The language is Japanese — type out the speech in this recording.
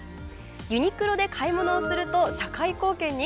ユニクロで買い物をすると社会貢献に。